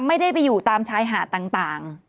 ไม่ได้ไปอยู่ตามชายหาดต่าง